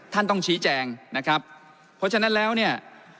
ต้องชี้แจงนะครับเพราะฉะนั้นแล้วเนี่ย